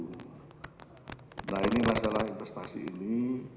nah ini masalah investasi ini